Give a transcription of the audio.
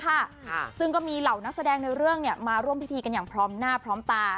ค่ะซึ่งก็มีเหล่านักแสดงในเรื่องเนี้ยมาร่วมพิธีกันอย่างพร้อมหน้าพร้อมตา